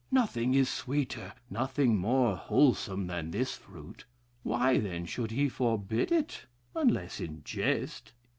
Nothing is sweeter, nothing more wholesome than this fruit: why, then, should he forbid it, unless in jest?